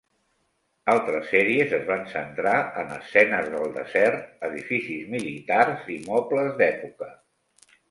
Altres sèries es van centrar en escenes del desert, edificis militars i mobles d'època.